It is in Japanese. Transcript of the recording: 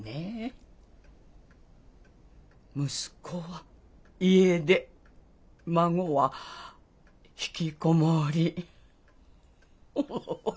息子は家出孫はひきこもり。